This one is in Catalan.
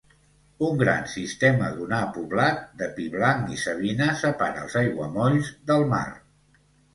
Un gran sistema dunar poblat de pi blanc i savina separa els aiguamolls del mar.